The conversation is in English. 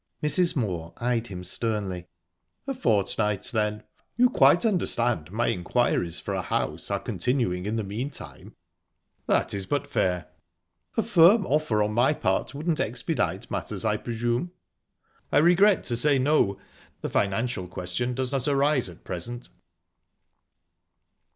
Mrs. Moor eyed him sternly. "A fortnight, then. You quite understand my inquiries for a house are continuing in the meantime?" "That is but fair." "A firm offer on my part wouldn't expedite matters, I presume?" "I regret to say 'no.' The financial question does not arise at present."